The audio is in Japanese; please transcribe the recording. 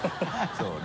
そうね。